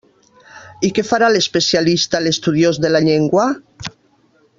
I què farà l'especialista, l'estudiós de la llengua?